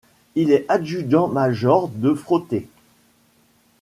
Il est adjudant-major de Frotté.